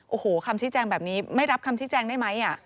โอ้โหคำชี้แจงแบบนี้ไม่รับคำชี้แจงได้ไหม